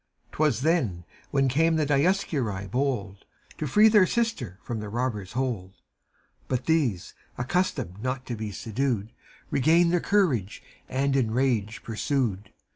'T was then, when came the Dioscuri bold To free their sister from the robbers' hold ; But these, accustomed not to be subdued. Regained their courage and in rage pursued.